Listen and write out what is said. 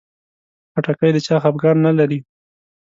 خټکی د چا خفګان نه لري.